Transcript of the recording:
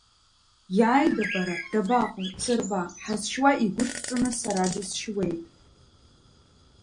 Иааида бара, дабаҟоу, дсырба, хазшьуа игәыдҵаны сара дысшьуеит!